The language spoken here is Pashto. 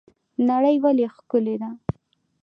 نړۍ ولې ښکلې ده؟